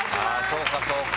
そうかそうか。